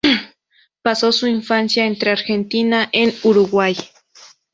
Pasó su infancia entre Argentina en Uruguay.